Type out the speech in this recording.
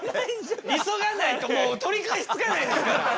急がないともう取り返しつかないですから。